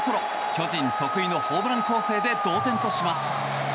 巨人得意のホームラン攻勢で同点とします。